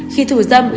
khi thù dâm